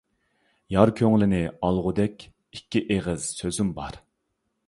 يار كۆڭلىنى ئالغۇدەك، ئىككى ئېغىز سۆزۈم بار.